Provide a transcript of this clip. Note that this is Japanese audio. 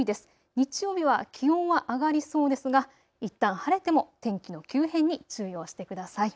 日曜日は気温は上がりそうですがいったん晴れても天気の急変に注意をしてください。